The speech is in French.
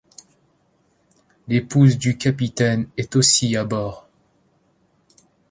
L'épouse du capitaine est aussi à bord.